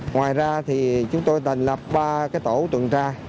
ngoài ra thì chúng tôi thành lập ba tổ tuần tra